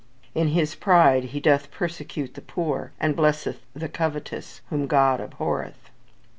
"In his pride he doth persecute the poor, and blesseth the covetous, whom God abhorreth."